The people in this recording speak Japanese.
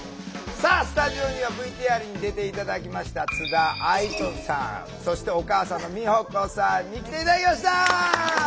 さあスタジオにはＶＴＲに出て頂きました津田愛土さんそしてお母さんの美穂子さんに来て頂きました。